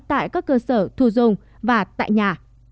tại các cơ sở thu dung và tại nhà